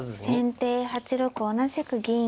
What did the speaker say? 先手８六同じく銀。